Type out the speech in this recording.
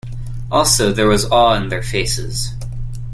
Also, there was awe in their faces.